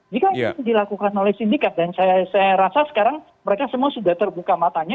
jika ini dilakukan oleh sindikat dan saya rasa sekarang mereka semua sudah terbuka matanya